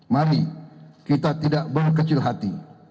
mari kita tidak berkecil hati